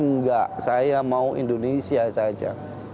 enggak saya mau indonesia saja